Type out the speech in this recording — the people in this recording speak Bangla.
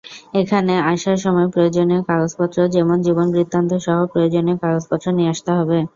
এখানে আসার সময় প্রয়োজনীয় কাগজপত্র যেমন জীবনবৃত্তান্তসহ প্রয়োজনীয় কাগজপত্র নিয়ে আসতে হবে।